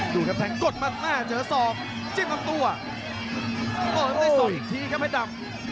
ได้สอนอีกทีครับเพชรดำ